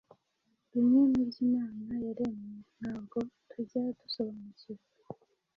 Bimwe mubyo Imana yaremye ntabwo tujya dusobanukirwa